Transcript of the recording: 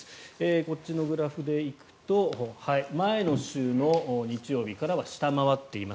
こっちのグラフで行くと前の週の日曜日からは下回っています。